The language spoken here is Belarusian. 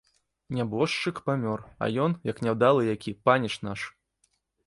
Нябожчык памёр, а ён, як няўдалы які, паніч наш.